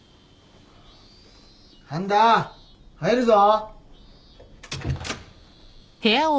半田入るぞ。